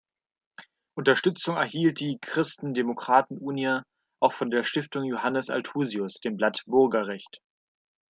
Unterstützung erhielt die "Christen-Democraten Unie" auch von der "Stiftung Johannes Althusius", dem Blatt "Burgerrecht.